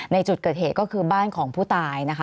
ในจุดเกิดเหตุก็คือบ้านของผู้ตายนะคะ